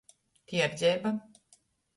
Tierdzeiba.